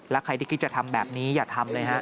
แล้วใครที่คิดจะทำแบบนี้อย่าทำเลยฮะ